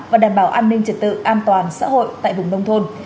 và đảm bảo an ninh trật tự an toàn xã hội tại vùng nông thôn